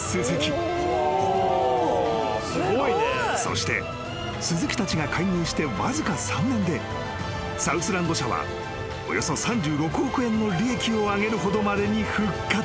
［そして鈴木たちが介入してわずか３年でサウスランド社はおよそ３６億円の利益を上げるほどまでに復活］